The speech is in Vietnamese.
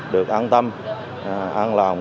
được an tâm an lòng